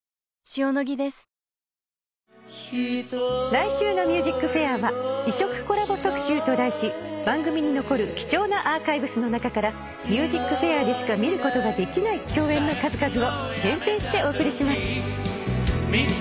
来週の『ＭＵＳＩＣＦＡＩＲ』は異色コラボ特集と題し番組に残る貴重なアーカイブスの中から『ＭＵＳＩＣＦＡＩＲ』でしか見ることができない共演の数々を厳選してお送りします。